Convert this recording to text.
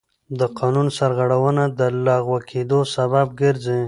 د قانون سرغړونه د لغوه کېدو سبب ګرځي.